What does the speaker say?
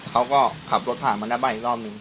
เขาก็ขับรถผ่านมาหน้าบ้านอีกรอบหนึ่ง